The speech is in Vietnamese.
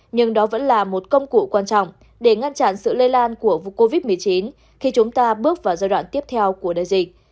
nhưng đó vẫn là một công cụ quan trọng để ngăn chặn sự lây lan của covid một mươi chín khi chúng ta bước vào giai đoạn tiếp theo của đại dịch